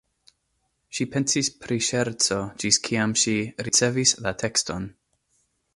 Ŝi pensis pri ŝerco, ĝis kiam ŝi ricevis la tekston.